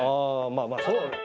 まあまあそう。